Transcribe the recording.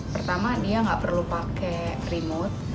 pertama dia nggak perlu pakai remote